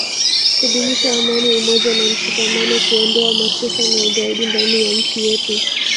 kudumisha amani umoja na mshikamano kuondoa matesa na ugaidi ndani ya nchi yetu